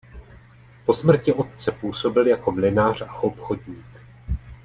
Po smrti otce působil jako mlynář a obchodník.